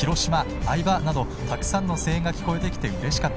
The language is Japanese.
相葉！などたくさんの声援が聞こえてきてうれしかった。